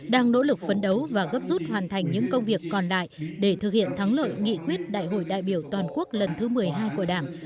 đang nỗ lực phấn đấu và gấp rút hoàn thành những công việc còn lại để thực hiện thắng lợi nghị quyết đại hội đại biểu toàn quốc lần thứ một mươi hai của đảng